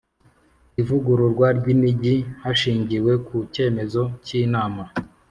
ivugururwa ry’imijyi hashingiwe ku cyemezo cy Inama.